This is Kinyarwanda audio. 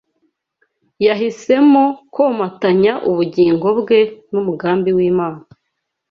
yahisemo komatanya ubugingo bwe n’umugambi w’Imana